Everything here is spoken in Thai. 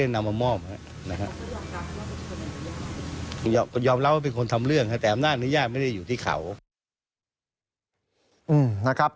ก็ต้องทราบเพราะเป็นคนทำเรื่องเขายังไม่ได้นำมอบ